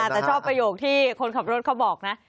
แต่ชอบประโยคที่คนขับรถเขาบอกนะ